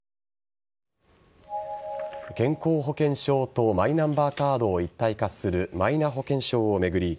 健康保険証とマイナンバーカードを一体化するマイナ保険証を巡り